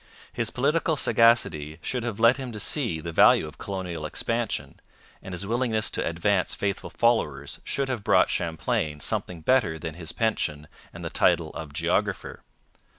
His political sagacity should have led him to see the value of colonial expansion, and his willingness to advance faithful followers should have brought Champlain something better than his pension and the title of Geographer.